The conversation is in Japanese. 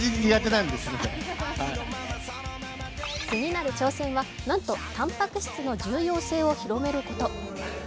次なる挑戦はなんとたんぱく質の重要性を広めること。